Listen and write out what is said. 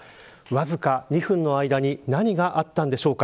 わずか２分の間に何があったんでしょうか。